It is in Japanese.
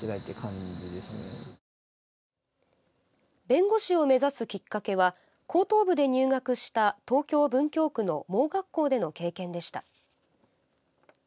弁護士を目指すきっかけは高等部で入学した東京・文京区の盲学校での経験でした。